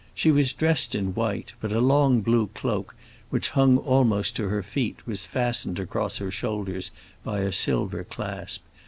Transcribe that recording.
She was dressed in white; but a long blue cloak, which hung almost to her feet, was fastened across her shoulders by a silver clasp.